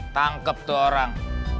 tangkep tuh orang